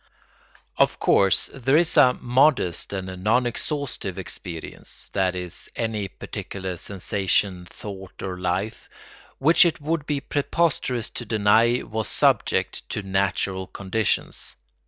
Of course there is a modest and non exhaustive experience—that is, any particular sensation, thought, or life—which it would be preposterous to deny was subject to natural conditions.